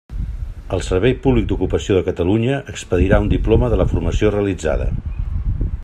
El Servei Públic d'Ocupació de Catalunya expedirà un diploma de la formació realitzada.